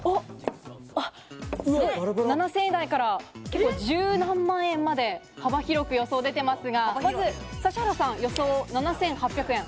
７０００円台から１０何万円まで幅広く予想でてますが、指原さん、予想７８００円。